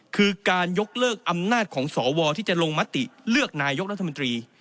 คือการยกเลิกอำนาจของสวที่จะลงมติเลือกนายกรัฐมนตรี